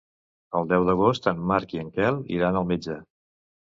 El deu d'agost en Marc i en Quel iran al metge.